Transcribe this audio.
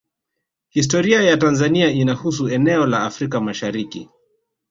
Historia ya Tanzania inahusu eneo la Afrika Mashariki